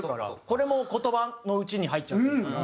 これも言葉のうちに入っちゃってるから。